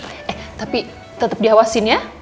eh tapi tetep dihawasin ya